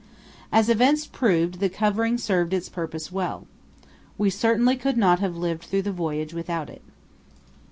As events proved, the covering served its purpose well. We certainly could not have lived through the voyage without it.